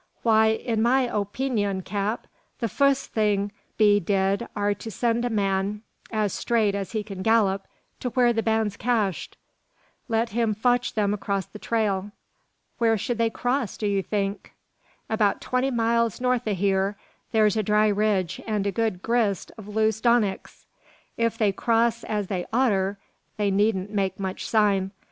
"Why, in my opeenyun, cap, the fust thing to be did are to send a man as straight as he can gallip to whur the band's cached. Let him fotch them acrost the trail." "Where should they cross, do you think?" "About twenty mile north o' hyur thur's a dry ridge, an' a good grist o' loose donicks. If they cross as they oughter, they needn't make much sign.